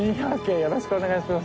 よろしくお願いします！